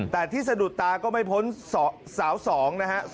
แต่ที่สะดุดตาก็ไม่พ้นสาว๒นะฮะ